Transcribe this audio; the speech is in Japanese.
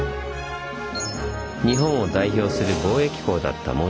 日本を代表する貿易港だった門司。